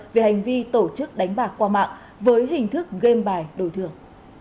về hành vi tổ chức đánh bạc qua mạng với hình thức game bài đổi thưởng